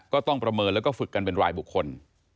ต้องประเมินแล้วก็ฝึกกันเป็นรายบุคคล